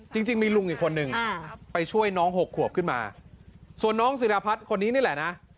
จริงมีลุงอีกคนนึงไปช่วยน้องหกขวบขึ้นมาส่วนน้องศิรพัฒน์คนนี้นี่แหละนะ